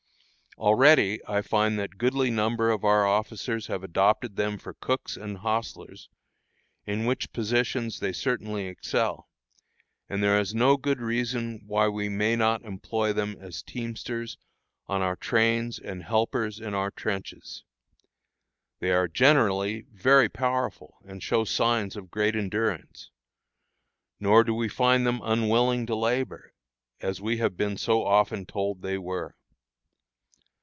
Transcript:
Already I find that a goodly number of our officers have adopted them for cooks and hostlers, in which positions they certainly excel; and there is no good reason why we may not employ them as teamsters on our trains and helpers in our trenches. They are generally very powerful, and show signs of great endurance. Nor do we find them unwilling to labor, as we have been so often told they were.